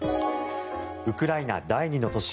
ウクライナ第２の都市